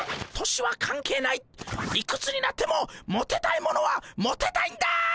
年は関係ないいくつになってもモテたいものはモテたいんだ！